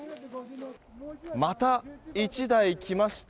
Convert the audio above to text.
また、１台来ました。